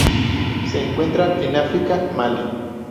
Se encuentran en África: Malí.